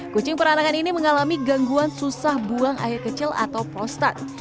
kucing peranakan ini mengalami gangguan susah buang air kecil atau prostat